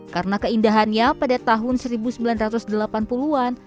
karena keindahannya pada tahun seribu sembilan ratus delapan puluh an